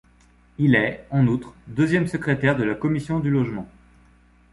Il est, en outre, deuxième secrétaire de la commission du Logement.